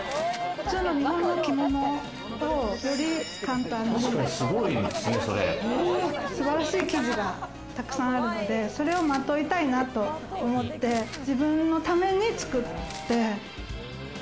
日本の着物をより簡単に。素晴らしい生地がたくさんあるので、それをまといたいなと思って、自分のために作って。